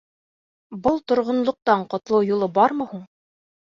Был торғонлоҡтан ҡотолоу юлы бармы һуң?